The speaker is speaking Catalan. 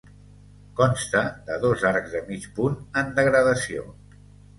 Consta de dos arcs de mig punt en degradació.